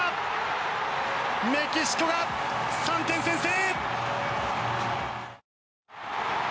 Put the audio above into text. メキシコが３点先制。